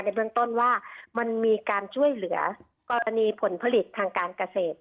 เบื้องต้นว่ามันมีการช่วยเหลือกรณีผลผลิตทางการเกษตร